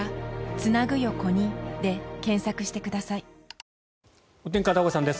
ニトリお天気、片岡さんです。